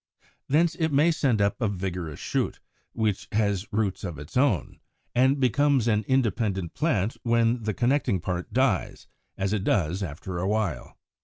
Thence it may send up a vigorous shoot, which has roots of its own, and becomes an independent plant when the connecting part dies, as it does after a while.